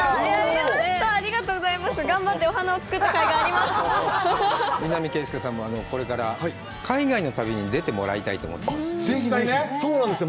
ありがとうございます頑張ってお花を作ったかいがありました南圭介さんもこれから海外の旅に出てもらいたいと是非是非そうなんですよ